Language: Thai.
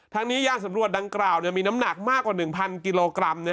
นี้ยานสำรวจดังกล่าวมีน้ำหนักมากกว่า๑๐๐กิโลกรัม